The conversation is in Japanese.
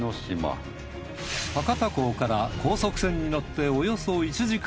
博多港から高速船に乗っておよそ１時間。